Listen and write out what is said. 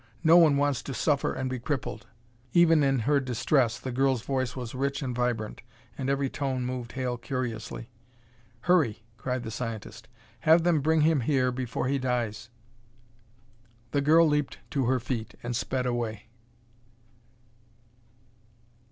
No one wants to suffer and be crippled." Even in her distress, the girl's voice was rich and vibrant, and every tone moved Hale curiously. "Hurry!" cried the scientist. "Have them bring him here before he dies." The girl leaped to her feet and sped away.